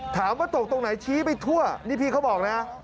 ถามว่าตกตรงไหนชี้ไปทั่วนี่พี่เขาบอกนะ